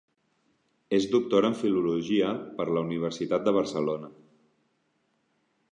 És doctora en Filologia per la Universitat de Barcelona.